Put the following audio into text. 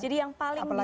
jadi yang paling bisa